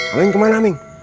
ameng ke mana ameng